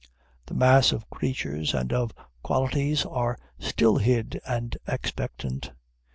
The mass of creatures and of qualities are still hid and expectant.